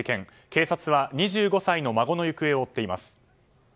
警察は２５歳の孫の行方を追っています。